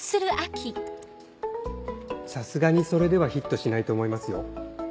さすがにそれではヒットしないと思いますよ。